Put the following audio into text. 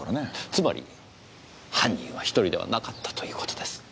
つまり犯人は１人ではなかったという事です。